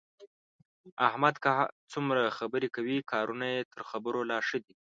احمد که څومره خبرې کوي، کارونه یې تر خبرو لا ښه دي.